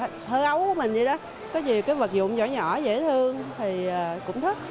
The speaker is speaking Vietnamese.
thơ ấu của mình vậy đó có vì cái vật dụng nhỏ nhỏ dễ thương thì cũng thích